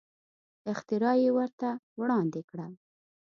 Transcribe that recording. اختراع یې ورته وړاندې کړه.